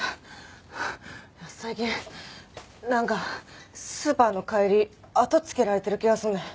最近なんかスーパーの帰り後つけられてる気がすんねん。